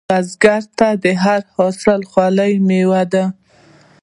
بزګر ته هر حاصل د خولې میوه ده